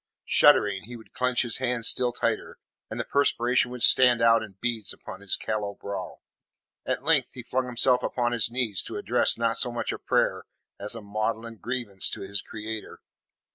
Shuddering he would clench his hands still tighter, and the perspiration would stand' out in beads upon his callow brow. At length he flung himself upon his knees to address not so much a prayer as a maudlin grievance to his Creator.